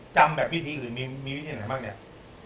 จำแบบวิธีอื่นมีวิธีไหน